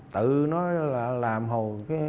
tự nó là làm hầu